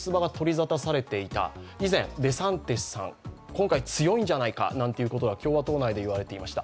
デサンティスさん、今回強いんじゃないかということが共和党内で言われていました。